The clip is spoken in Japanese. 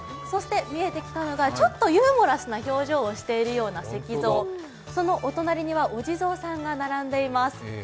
見えてきたのがちょっとユーモラスな表情をしているような石像、そのお隣にはお地蔵さんが並んでいます。